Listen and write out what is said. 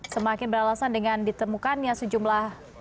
semakin beralasan dengan ditemukannya sejumlah